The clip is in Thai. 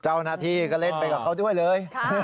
เจ้าหน้าที่ก็เล่นไปกับเขาด้วยเลย